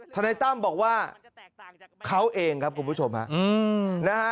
นายตั้มบอกว่าเขาเองครับคุณผู้ชมฮะนะฮะ